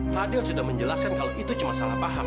fadil sudah menjelaskan kalau itu cuma salah paham